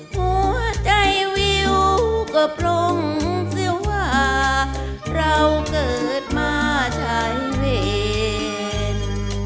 หัวใจวิวก็ปลงสิวว่าเราเกิดมาใช้เวร